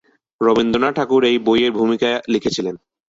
রবীন্দ্রনাথ ঠাকুর এই বইয়ের ভূমিকা লিখেছিলেন।